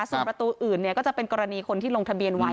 ส่วนประตูอื่นก็จะเป็นกรณีคนที่ลงทะเบียนไว้